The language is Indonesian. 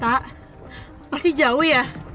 tak pasti jauh ya